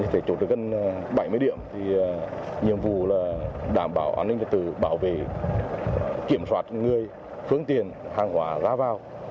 phải chốt được gần bảy mươi điểm nhiệm vụ là đảm bảo an ninh trật tự bảo vệ kiểm soát người phương tiện hàng hóa ra vào